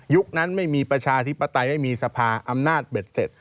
นั้นไม่มีประชาธิปไตยไม่มีสภาอำนาจเบ็ดเสร็จ